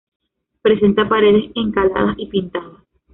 Presenta paredes encaladas y pintadas.